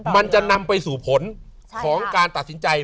มันจะนำไปสู่ผลของการตัดสินใจ